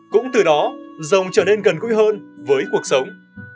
cũng từ đó rồng trở nên gần gũi hơn với cuộc sống